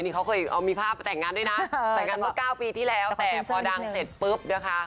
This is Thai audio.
นี่เขาเคยเอามีภาพไปแต่งงานด้วยนะแต่งงานเมื่อ๙ปีที่แล้วแต่พอดังเสร็จปุ๊บนะคะ